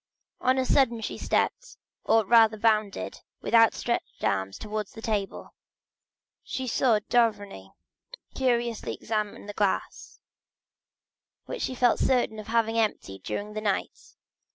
On a sudden she stepped, or rather bounded, with outstretched arms, towards the table. She saw d'Avrigny curiously examining the glass, which she felt certain of having emptied during the night.